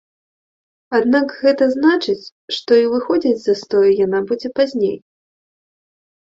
Аднак гэта значыць, што і выходзіць з застою яна будзе пазней.